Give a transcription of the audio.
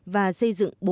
và xây dựng các bệnh viện